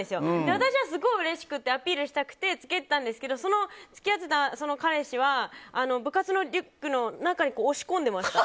私はすごくうれしくてアピールしたくてつけてたんですけどその付き合ってた彼氏は部活のリュックの中に押し込んでました。